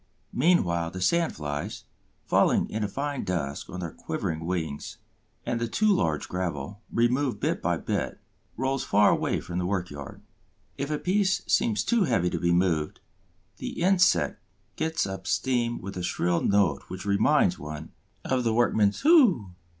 Meanwhile, the sand flies, falling in a fine dust on their quivering wings; and the too large gravel, removed bit by bit, rolls far away from the work yard. If a piece seems too heavy to be moved, the insect gets up steam with a shrill note which reminds one of the workman's "Hoo!"